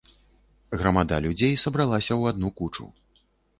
Грамада людзей сабралася ў адну кучу.